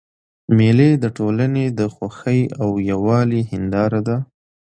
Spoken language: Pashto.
مېلې د ټولني د خوښۍ او یووالي هنداره ده.